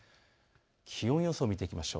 気温予想を見ていきましょう。